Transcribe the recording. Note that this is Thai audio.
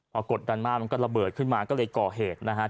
พอกดดันมากมันก็ระเบิดขึ้นมาก็เลยก่อเหตุนะครับ